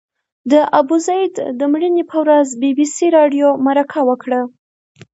د ابوزید د مړینې پر ورځ بي بي سي راډیو مرکه وکړه.